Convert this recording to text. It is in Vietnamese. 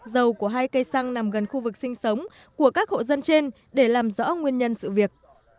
dầu của hai cây xăng nằm gần khu vực sinh sống của các hộ dân trên để làm rõ nguyên nhân sự việc